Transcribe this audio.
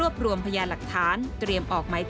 สมทรณ์อธิบาย